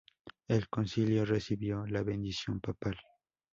El concilio recibió la bendición papal.